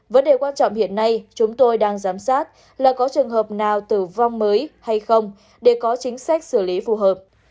vấn đề quan trọng hiện nay chúng tôi đang giám sát là có trường hợp nào tử vong mới hay không để có chính sách xử lý phù hợp